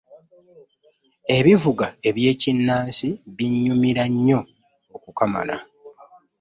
Ebivuga eby'ekinnansi binnyumira nnyo okukamala!